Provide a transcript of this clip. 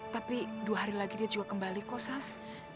tapi dua hari lagi dia juga kembali kok sas